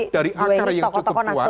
dari acara yang cukup kuat